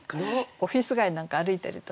オフィス街なんか歩いてるとね